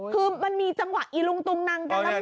คือมันมีจังหวะอิรุงตุงนังกัน